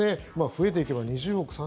増えていけば２０億、